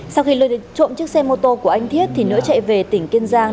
sau khi lừa trộm chiếc xe mô tô của anh thiết thì nữa chạy về tỉnh kiên giang